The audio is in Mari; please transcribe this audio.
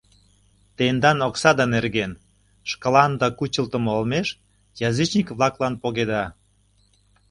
— Тендан оксада нерген... шкаланда кучылтмо олмеш язычник-влаклан погеда.